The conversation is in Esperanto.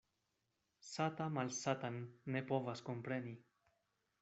Sata malsatan ne povas kompreni.